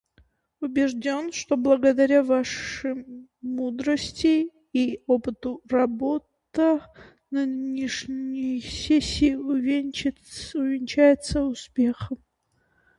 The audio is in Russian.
Убежден, что благодаря Вашим мудрости и опыту работа нынешней сессии увенчается успехом.